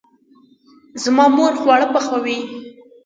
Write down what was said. زما مور خواړه پخوي